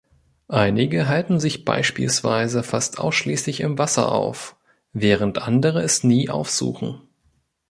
Einige halten sich beispielsweise fast ausschließlich im Wasser auf, während andere es nie aufsuchen.